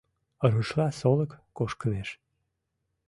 Рушла солык кошкымеш